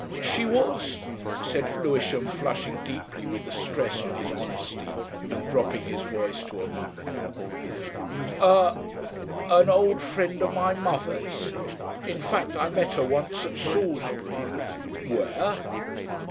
"She was," said Lewisham, flushing deeply with the stress on his honesty and dropping his voice to a mumble, "a ... a ... an old friend of my mother's. In fact, I met her once at Salisbury." "Where?"